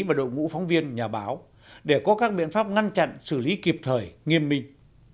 và đội ngũ phóng viên nhà báo để có các biện pháp ngăn chặn xử lý kịp thời nghiêm minh